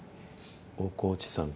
大河内さん